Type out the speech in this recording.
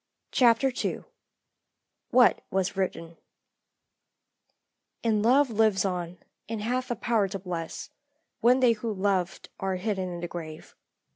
CHAPTER II WHAT WAS WRITTEN "And Love lives on, and hath a power to bless, When they who loved are hidden in the grave."